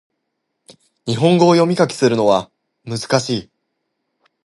日本語を読み書きするのは難しい